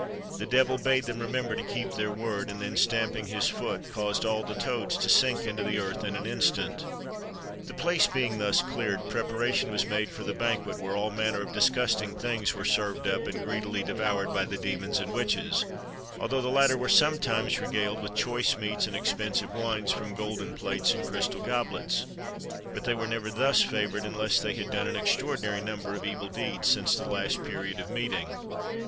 The devil bade them remember to keep their word; and then stamping his foot, caused all the toads to sink into the earth in an instant. The place being thus cleared, preparation was made for the banquet, where all manner of disgusting things were served up and greedily devoured by the demons and witches; although the latter were sometimes regaled with choice meats and expensive wines from golden plates and crystal goblets; but they were never thus favoured unless they had done an extraordinary number of evil deeds since the last period of meeting.